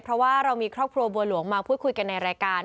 เพราะว่าเรามีครอบครัวบัวหลวงมาพูดคุยกันในรายการ